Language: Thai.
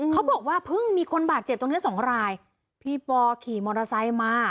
เขาบอกว่าเพิ่งมีคนบาดเจ็บตรงเนี้ยสองรายพี่ปอขี่มอเตอร์ไซค์มา